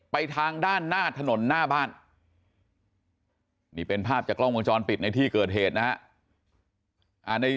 ไปทางด้านหน้าถนนหน้าบ้านนี่เป็นภาพจากกล้องวงจรปิดในที่เกิดเหตุนะฮะ